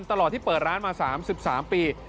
ตลอดที่เปิดร้านมา๓๓ปี